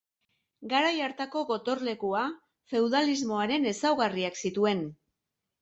Garai hartako gotorlekua feudalismoaren ezaugarriak zituen.